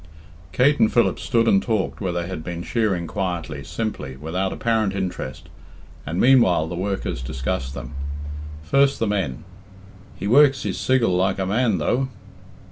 Kate and Philip stood and talked where they had been shearing quietly, simply, without apparent interest, and meanwhile the workers discussed them. First the men: "He works his siggle like a man though."